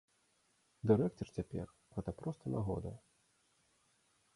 Дырэктар цяпер, гэта проста нагода.